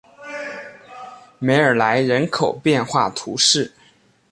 梅尔莱人口变化图示